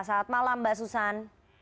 selamat malam mbak susan